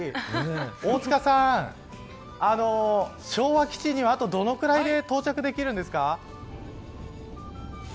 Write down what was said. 大塚さん昭和基地には、あとどのくらいで到着できるんですか。